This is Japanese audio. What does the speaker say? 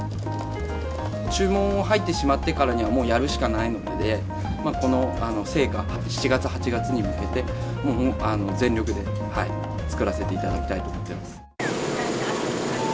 注文入ってしまったからには、もうやるしかないので、この盛夏、７月、８月に向けて、もう全力で作らせていただきたいと思ってます。